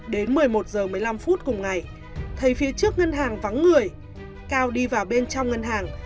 đến một mươi một h một mươi năm phút cùng ngày thấy phía trước ngân hàng vắng người cao đi vào bên trong ngân hàng